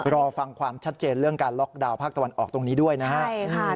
รอฟังความชัดเจนเรื่องการล็อกดาวน์ภาคตะวันออกตรงนี้ด้วยนะครับ